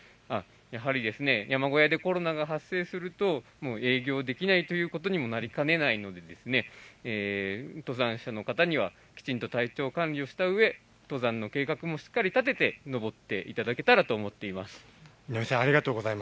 やはり山小屋でコロナが発生すると営業できないということにもなりかねないということで登山者の方にはきちんと体調管理をしたうえで登山の計画もしっかり立てて登っていただけたらと思います。